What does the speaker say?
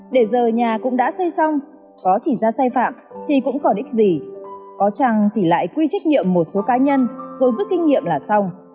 để giờ nhà cũng đã xây xong có chỉ ra xe phạm thì cũng có đích gì có chăng thì lại quy trách nhiệm một số cá nhân số giúp kinh nghiệm là xong